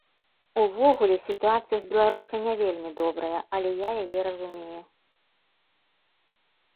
Увогуле, сітуацыя з беларускай не вельмі добрая, але я яе разумею.